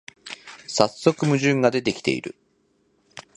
さっそく矛盾が出てきてる